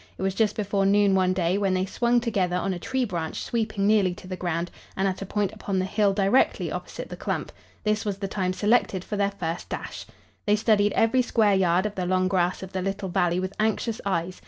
It was just before noon one day when they swung together on a tree branch sweeping nearly to the ground, and at a point upon the hill directly opposite the clump. This was the time selected for their first dash. They studied every square yard of the long grass of the little valley with anxious eyes.